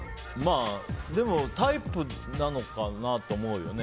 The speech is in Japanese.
でもタイプなのかなと思うよね